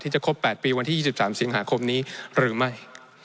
จะครบ๘ปีวันที่๒๓สิงหาคมนี้หรือไม่